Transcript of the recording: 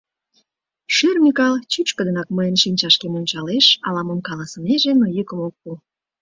Шӧр Микал чӱчкыдынак мыйын шинчашкем ончалеш, ала-мом каласынеже, но йӱкым ок пу.